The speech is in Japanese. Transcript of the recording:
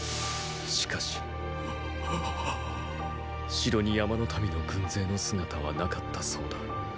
城に山の民の軍勢の姿はなかったそうだ。